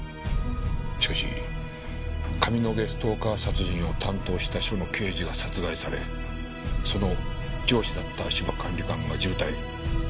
しかし上野毛ストーカー殺人を担当した署の刑事が殺害されその上司だった芝管理官が重体。